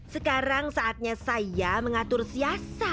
sekarang saatnya aku mengatur siasa